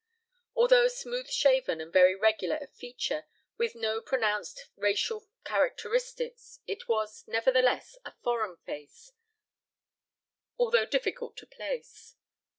Although smooth shaven and very regular of feature, with no pronounced racial characteristics, it was, nevertheless, a foreign face, although difficult to place.